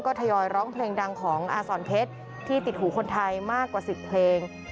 ทยอยร้องเพลงดังของอาสอนเพชรที่ติดหูคนไทยมากกว่า๑๐เพลง